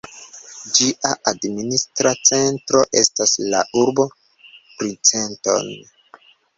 Ĝia administra centro estas la urbo Princeton.